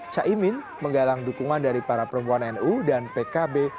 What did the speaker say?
caimin menggalang dukungan dari para perempuan nu dan pkb